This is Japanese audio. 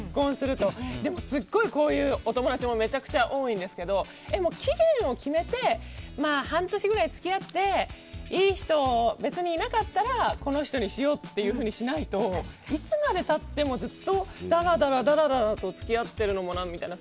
でも、すごくこういうお友達も多いんですけど期限を決めて半年くらい付き合っていい人が別にいなかったらこの人にしようってしないといつまで経ってもずっとだらだらと付き合ってるのもなみたいな。